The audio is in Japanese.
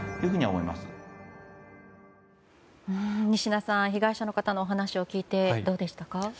仁科さん被害者の方のお話を聞いてどうでしたか？